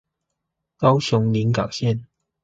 高雄臨港線